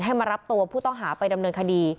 มารับตัวผู้ต้องหาไปดำเนินคดี